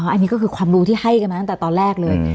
อันนี้ก็คือความรู้ที่ให้กันมาตั้งแต่ตอนแรกเลย